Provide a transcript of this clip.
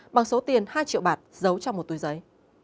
bằng số tiền hai triệu bạt giấu trong một túi giấy